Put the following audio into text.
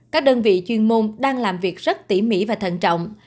các đơn vị chuyên môn đang làm việc rất tỉ mỉ và thận trọng